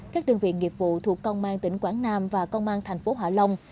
các đơn vị nghiệp vụ thuộc công an tỉnh quảng nam và công an thành phố hạ long